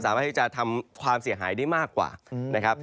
สามารถที่จะทำความเสียหายได้มากกว่านะครับ